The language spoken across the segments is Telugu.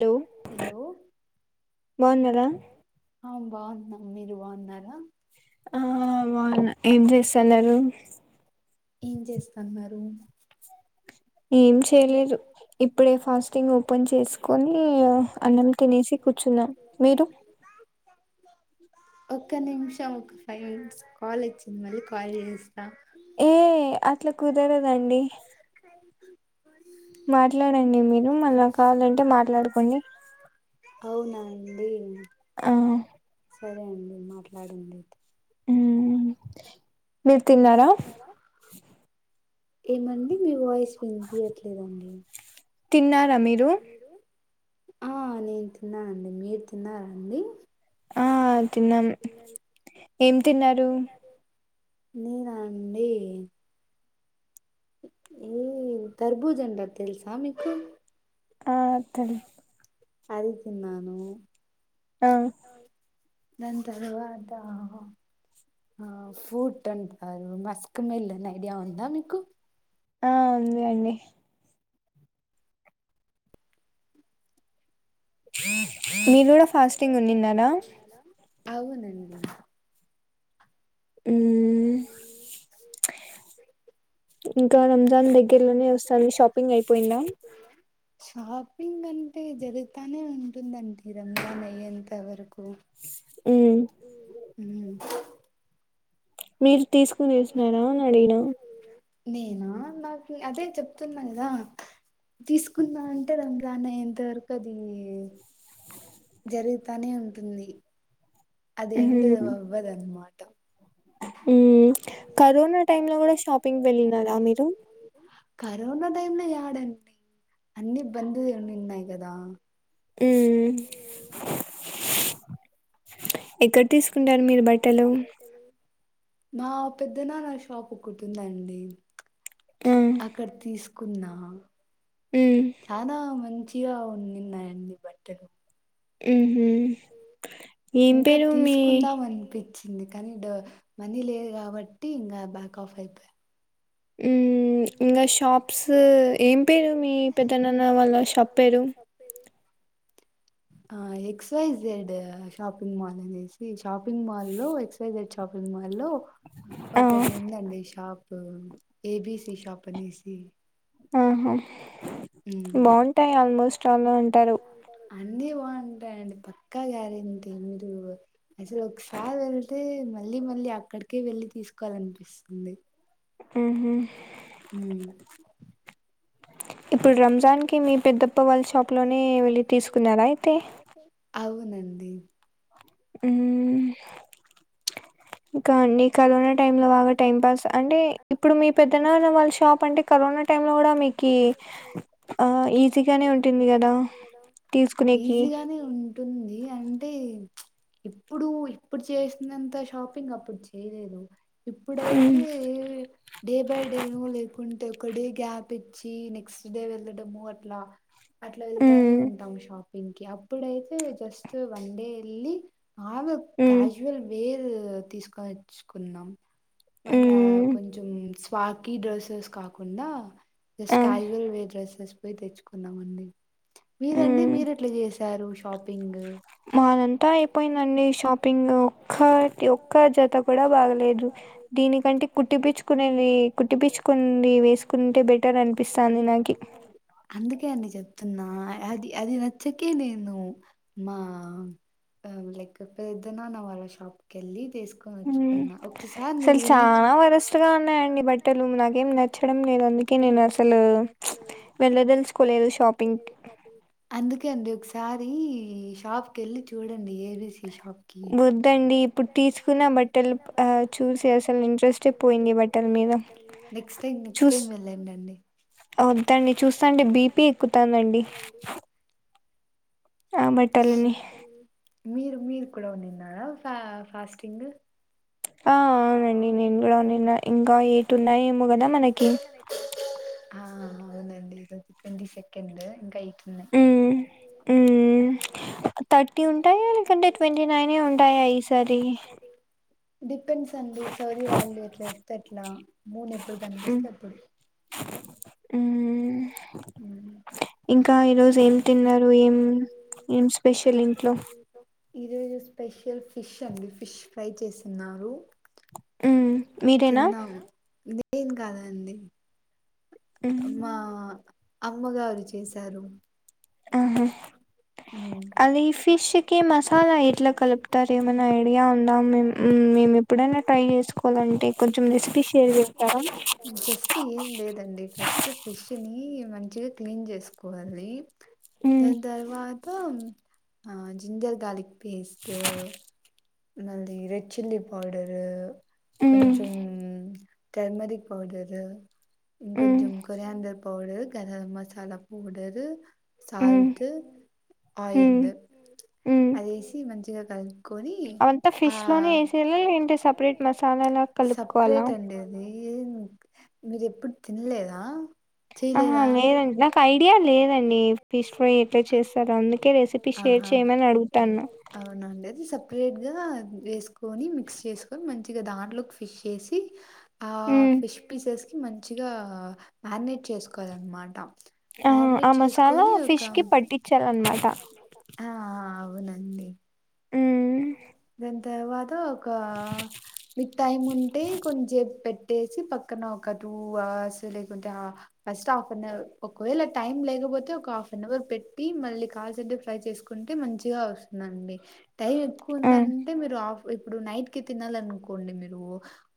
లో బాన్నరా ఆ బాన్నాం మీరు బాన్నారా కందరు ఏం చేస్తాన్నరు [unintelligible] ఒక్క నిమిషం ఒక ఫైవ్ మినిట్స్ కాల్ ఒచ్చింది మళ్ళీ కాల్ జేస్త ఏ అట్ల కుదరదండి మాట్లాడండి మీరు మళ్ళ కావాలంటే మాట్లాడుకోండి ఆ దే అండి మాట్లాడండి ఐతే ఊ మీర్ తిన్నారా ఏమండి మి వాయిస్ విన్పియట్లేదండి తిన్నారా మీరూ ఆ నేను తిన్నానండి మీరు తిన్నారండి ఆ తిన్నాం ఏం తిన్నారూ నేనా అండి ఏ తర్బూజంటరు తెల్స మికు ఆ తెలిహ్ అది తిన్నాను అ దాని తర్వాతా ఆ ఫూట్ అంటారు మస్క్ మెల్న్ ఐడియా ఉందా మీకు ఆ ఉంది అండి [inaudible] మీరు గుడా ఫాస్టింగ్ ఉన్నీన్నార ఔనండి ఊమ్ ఇంకా రంజాన్ దగ్గర్లోనే ఒస్తంది షాపింగ్ ఐపోయిందా షాపింగ్ అంటె జరుగుతానే ఉంటుందండి రంజాన్ అయ్యేంత వరకు ఉమ్ మీరు తీసుకొని ఏస్తున్నారాని అడిగినా నేనా నాకు అదే చెప్తున్నా కదా, తీసుకున్నా అంటే దాన్నిగా ఎంతవరకు అది జరుగుతానే ఉంటుంది. అది ఎంటిదో వవ్వదన్నమాట. ఉమ్ కరోనా టైమ్ లో కూడా షాపింగ్కి వెళ్ళినారా మీరు. టైమ్ లో ఎయాడండి, అన్ని బందుదేనిన్నాయి కదా. ఉమ్ ఇక్కడ్ తీసుకుంటారు మీరు బట్టలు మా పెద్ద నాన్న షాప్ ఒకటి ఉందండి, అక్కడ తీసుకున్నా చానా మంచి తిగా ఉన్నిన్నాయన్ని బట్టలు ఉహు, ఏం పేరు మీ చింది కానీ డ మనీ లేదు కాబట్టి, ఇంగ బ్యాక్ ఆఫ్ అయిపోయా. ఉమ్ ఇంగ షాప్స్, ఏం పేరు మీ పెద్దనన్న వాళ్ళ షాప్ పేరు? ఆ X Y Z shopping mall అనేసి ఈ షాపింగ్ మాల్ లో, ఎక్స్ వై జెడ్ షాపింగ్ మాల్లో ఒకటి ఏందండి షాప్ ఆ ఏ బి సి ఈ షాప్ అనేసి ఆహా బాగుంటాయి ఆల్మోస్ట్ ఆల అంటారు. అన్నీ బాగుంటాయండి పక్కా గ్యారేంటి, మీరు మీరొక సాల్ ఎల్తే మళ్ళీ మళ్ళీ అక్కడికే వెళ్ళి తీసుకోవాలనిపిస్తుంది. ఆహ ఇప్పుడు రంజాన్కి మీ పెద్దప్ప వాళ్ళ షాపులోనే వెళ్ళి తీసుకున్నారా అయితే? అవునంది ఉమ్ ఇంకా అండి కరోనా టైంలో బాగా టైంపాస్ అంటే, ఇప్పుడు మీ పెద్దనాన్న వాళ్ళ షాప్ అంటే కరోనా టైంలో గుడ మీకి ఈజీగానే ఉంటుంది కదా తీసుకునేకి. ఈ అంటే ఇప్పుడు ఇప్పుడు చేసినంత షాపింగ్ అప్పుడు చే ఏదేదో ఇప్పుడైతే డే బై డే నో లేకుంటే ఒక డే గ్యాప్ ఇచ్చి, నెక్స్ట్ డే వెళ్ళడము అట్లా అట్లా వెళ్తనే ఉంటాం షాప్ పింకి అప్పుడైతే జస్ట్ వన్ డే ఎళ్ళి ఆగక్ క్యాజుల్ వేర్ గ తీసుకొని చుకున్నాం మరి ఆ కొంచం పాకి డ్రెస్సెస్ కాకుండా జస్ట్ కాజువల్ వేర్ డ్రెసెస్ పోయి తెచ్చుకున్నామండి. మీరండి మీరెట్ల చేశారు శ్ మాదన్తా అయిపోయిందండి షాపింగ్, ఒక్కటి ఒక్క జత క్ కూడ బాగలేదు దీనికంటే కుట్టి పిచ్చుకునేది, కుట్టి పిచ్చుకుంది వేసుకుంటే బెటర్ అనిపిస్థాంది నాకి. తున్నా అది అది నచ్చకే నేను మా లైక్ పెద్ద నాన్న వాళ్ళ షాప్కెళ్ళి తీస్ కోచ్ హ్మ్ సలు చాలా వరస్ట్ గ ఉన్నాయండి బట్టలు నాకేమ్ నచ్చడం లేదు, అందుకే నేనసలు వెళ్ళ దలుచుకోలేదు షాపింగ్కి. కే అండి ఒకసారి షాప్ కెళ్ళి చూడండి ఏవి స్ వద్దండి ఇప్పుడు తీసుకున్న బట్టలు ఆ చూసి అసలు ఇంట్రెస్టే పోయింది బట్టల మీద, చూస్ ఒద్దండి చూస్తాంటే బీ పీ ఎక్కుతాందండి. ఆ బట్టాలని. మీరు మీరు కూడ ఉండిన్నారా ఫ్యా ఫాస్టింగ్? ఆ అవునండి నేన్ గుడా నిన్న ఇంకా ఎయిట్ ఉన్నాయేమో గదా మనకి. అవునండి ఇరోజు ట్వంటీ సెకండ్, ఇంక ఎయి తున్నయ్ మ్మ్ థర్టీ ఉంటయా లేకుంటే ట్వంటీ నైనే ఉంటాయా ఈ సారి? డిప్ కేండ్స్ అండి సౌదీ వాళ్ళు ఎట్లన్ తెట్లా మూన్ ఎప్పుడు కనిపిస్తే అప్పుడు. హ్మ్ ఇంకా ఈరోజు ఏం తిన్నారు ఏం స్పెషల్ ఇంకా ఈ రోజు స్పెషల్ ఫిష్ అండి ఫిష్ ఫ్రై చేస్తున్నారు తిందాం మేము కాదండి మా అమ్మగారు చేశారు ఆహా ఫస్ట్ ఏం లేదండి ఫస్ట్ ఫిష్ ని మన మంచిగా క్లీన్ చేసుకోవాలి దాని తారవ జింజర్ గార్లిక్ పేస్ట్ మళ్లీ రెడ్ చిల్లీ పౌడర్ కొంచం టెర్మరిక్ పౌడరు ఇంకా ఝంకారే అందం powder garam masala powder salt oil అదిేసి మంచిగా కలుపుకొని ఫిష్ లోనే వేసేలా లేంటే సపరేట్ మసాలాలా కలుపుకోవాలా ఏ మీరు ఎప్పుడు తిలేదా ఆ లేదండి నాకు ఐడియా లేదండి ఫిష్ ఫ్రై ఎట్లా చేస్తారో అందుకే రెసిపీ షేర్ చేయమని అడుగుతాన లేదు వేసుకొని మిక్స్ చేసుకొని మంచిగా దాంట్లోకి ఫిష్ వేసి ఆ ఫిష్ పీసెస్కి మంచిగా మ్యారినేట్ చేసుకోవాలనమాట ఆ ఆ మసాలా ఫిష్ కి పట్టించాలన్నమాట అవునండి మెంతు తర్వాత ఒక మీకు టైం ఉంటే కొంచెం సేపు పెట్టుకో పెట్టేసి పక్కన ఒక టూ అవర్స్ లేకుంటే ఫస్ట్ హాఫ్ అన్ అవర్ ఒకవేళ టైం లేకపోతే ఒక హాఫ్ అన్ అవర్ పెట్టి మళ్ళీ కాల్సడ్డే ఫ్రై చేసుకుంటే మంచిగా వస్తుందండి టైం ఎక్కువ ఉందంటే మీరు ఆఫ్ ఇప్పుడు నైట్ కి తినాలనుకోండి మీరు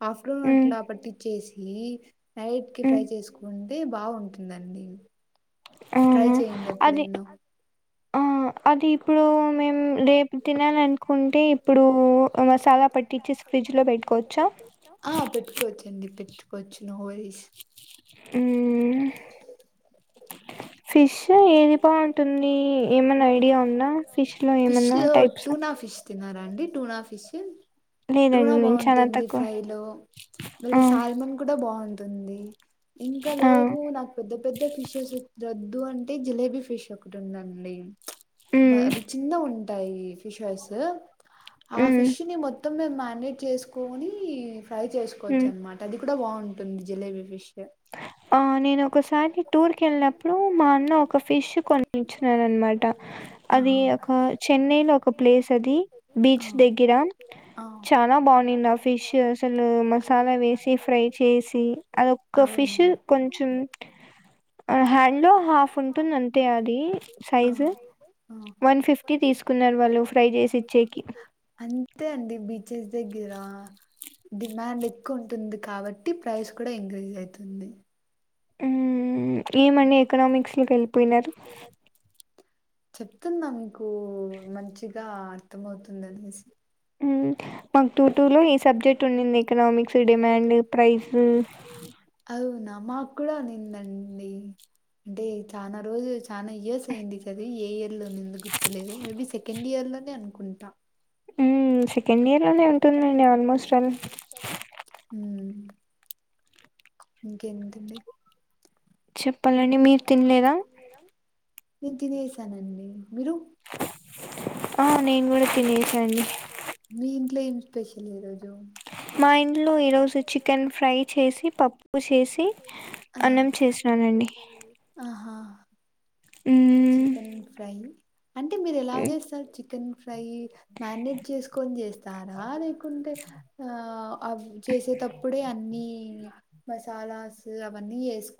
ఆఫ్టర్నూన్ అట్లా పట్టిచ్చేసి ఈ నైట్ కి ఫ్రై చేసుకోండి అంటే బాగుంటుందండి ట్రై చెయండి ఎప్పుడైనో ఆ అ పెట్టుకోవచ్చండి పెట్టుకోవచ్చు నో వరి హ్మ్ ఫిష్ ఏది బాగుంటుంది ఏమన్నా ఐడియా ఉ ఉందా ఫిష్ లో ఏమన్నా టైప్స్ తిన్నారా అండి టూనా ఫిష్ టూనా బావుంటుంది ఫ్రై లో మళ్ళీ సాల్మన్ కూడా బావుం తుంది ఇంకా లేదు నాకు పెద్ద పెద్ద ఫిషెస్ దద్దు అంటే జిలేబీ ఫిష్ ఒకటి ఉందండి అది చిన్న ఉం టాయి ఫిషర్స్ ఆ ఫిష్ ని మొత్ మొత్తం మేము మేరినేట్ చేసుకొని ఫ్రై చేసుకోవచ్చు అన్నమాట అది అప్పుడే బావుంటుంది జలేబీ ఫిష్ ఆ నేను ఒకసారి టూర్ కి వెళ్ళినప్పుడు మా అన్న ఒక ఫిష్ కొనిపిచ్చినారన్నమాట అది ఒక చెన్నై లో ఒక ప్లేస్ అది బీచ్ దగ్గర చాలా బాగుంది ఆ ఫిష్ అసలు మసాలా వేసి ఫ్రై చేసి అద ఒక ఫిష్ కొంచెం హ్యాండ్ లో హాఫ్ ఉంటుంది అంతే అది సైజు అంతే అండి బీచ్ దగ్గర డిమాండ్ ఎక్కువ ఉంటుంది కాబట్టి ప్రైస్ కూడా ఇంక్రీజ్ అవుతుంది ఏమండి ఎకనామిక్స్ లోకి వెళ్ళిపోయినారు చెప్తుందా మీకు మంచిగా అర్థంమవుతుందినేసి అ కూతురు ఈ అవునా మాకు కూడా నిందండి అంటే చాలా రోజు చాలా ఇయర్స్ అయ్యంది చదివి ఏ ఇయర్ లో నింది గుర్తులేదు మేబి సెకండ్ ఇయర్ లోనే అనుకుంటా సెకండ్ ఇయర్ ఎ అమ్ ఇంకేంటండి చెప్ పలన్నీ మీరు తినలేదా నేను తినసానండి మీరు ఆ నేను కూడా తినేసా అండి ఏం స్పెషల్ ఈరోజు మా ఇంట్లో ఈరోజు చికెన్ ఫ్రై చేసి పప్పు చేసి అన్నం చేసానండి చికెన్ ఫ్రై అంటే మీరు ఎలా చేస్తారు చికెన్ ఐ మ్యారినేట్ చేసుకొని చేస్తారా లేకుంటే ఆ అవి చేసేటప్పుడే అన్ని మసాలాస్ అవన్నీ ఏసు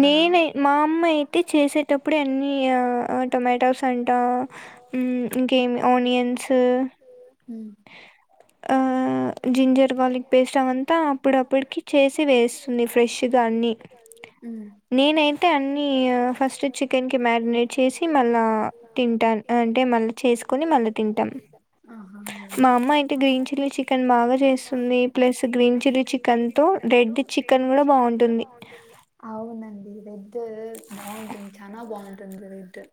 నేనే మా అమ్మ అయితే చేసేటప్పుడే ఇ టొమాటోస్ అంటా ఇంకేం ఆనియన్స్ ఆ జింజర్ గార్లిక్ పేస్ట్ అవంత అప్పుడప్పుడు చేసి వేస్తుంది ఫ్రెష్ గా అన్ని నేనైతే అన్నీ ఫస్ట్ చికెన్ కి మ్యాగ్నెట్ చేసి మల్ల తింటా అంటే మల్ల చేసుకొని మల్ల తింటాం మా అమ్మ అయితే గ్రీన్ చిల్లి చికెన్ బాగా చేస్తుంది ప్లస్ గ్రీన్ చిల్లి చికెన్ తో రెడ్ చికెన్ కూడా బాగుంటుంది అవునండి రెడ్ తే బాగుంటుంది చి చానా బాగుంటుంది ఇద్ద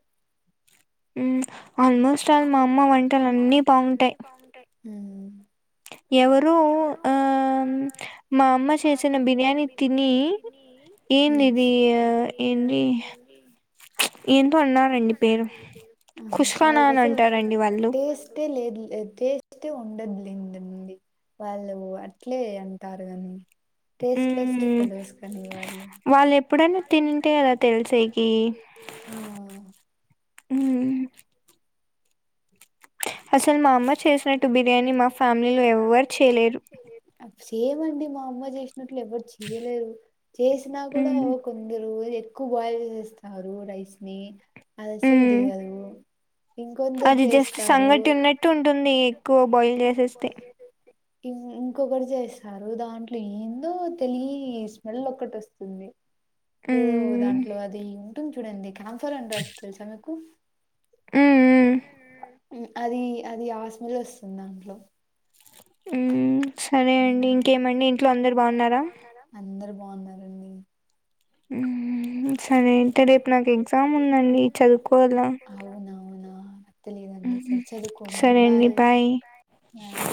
[unintelligible] ఆల్మోస్ట్ ఆల్ మా అమ్మ వంటలన్ని బాగుంటాయి హ్మ్ ఎవరో ఆ మా అమ్మ చేసిన బిర్యానీ తిని ఏంది ఇది ఏమో అన్నారండి పేరు హా వాళ్లకసలు టేస్ట్ లేదు టేస్ట్ [unintelligible] వాళ్ళు అట్లే అంతరు కానీ టేస్ట్ లెస్ట్ ఫెలోస్ కానీ వాళ్ళు వాళ్ళు ఎప్పుడ [unintelligible] తెలిసే కి [unintelligible] అసలు మా అమ్మ చేసినట్టు బిర్యానీ మా ఫ్యామిలీ ఎవ్వరు చేయలేరు సేమ్ అండి మా అమ్మ అట్లా ఎవరు చేయలేరు చేసినా కూడా కొందరు ఎక్కువ బాయిల్ చేసినారు రైస్ ని అది అసలు దిగదు అది జస్ట్ సంగటి ఉన్నట్టు ఉ ఉంటుంది ఎక్కువ బాయిల్ చేసేస్తే ఇంకొకటి చేస్తారు దాంట్లో ఏందో తెలియి స్మెల్ ఒకటి వస్తుంది. ఏదో దాంట్లో అదిమ్ [unintelligible] చుడండి నాన్సార్ అంటర్ తెలుసా మీకు హ్మ్ హు హ్మ్ అది అది ఆ స్మెల్ వస్తుంది. దాంట్లో హ్మ్ సరే అండి ఇంకేమండి ఇంట్లో అందరు బాగున్నారా బాగున్నారండి. హ్మ్ హ్ అవునవునా తెలియదండి సరే చదువుకోండి బాయ్ బాయ్